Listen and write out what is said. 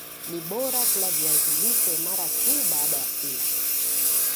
ni bora kula viazi lishe mara tu baada ya kula